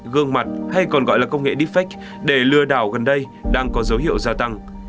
gương mặt hay còn gọi là công nghệ defect để lừa đảo gần đây đang có dấu hiệu gia tăng